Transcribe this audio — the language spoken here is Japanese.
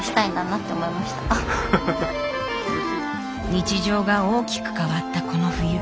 日常が大きく変わったこの冬。